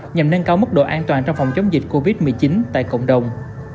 nhằm nâng cao mức độ an toàn trong phòng chống dịch covid một mươi chín tại cộng đồng